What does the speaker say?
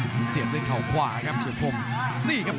เฉียบด้วยเข่าขวาครับเฉียบคม